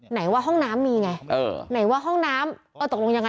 ไหนว่าห้องน้ำมีไงเออไหนว่าห้องน้ำเออตกลงยังไง